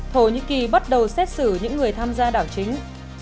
thổ nhĩ kỳ bắt đầu xét xử những người tham gia đảo chính